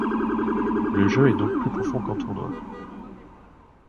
Le jeu est donc plus profond qu'en tournoi.